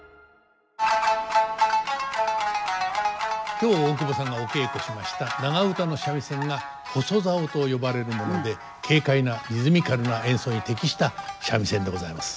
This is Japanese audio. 今日大久保さんがお稽古しました長唄の三味線が細棹と呼ばれるもので軽快なリズミカルな演奏に適した三味線でございます。